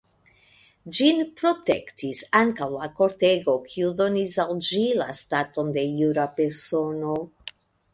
Ĝin protektis ankaŭ la kortego kiu donis al ĝi la staton de jura persono.